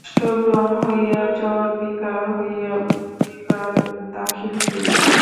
ওষ্ঠব্রণ হইয়া জ্বরবিকার হইয়া, মরিবার দাখিল হইলাম।